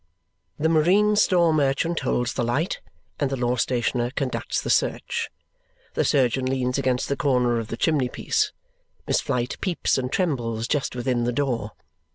The marine store merchant holds the light, and the law stationer conducts the search. The surgeon leans against the corner of the chimney piece; Miss Flite peeps and trembles just within the door.